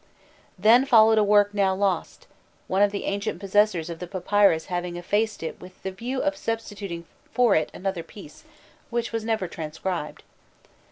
Then followed a work now lost: one of the ancient possessors of the papyrus having effaced it with the view of substituting for it another piece, which was never transcribed.